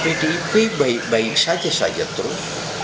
pdip baik baik saja terus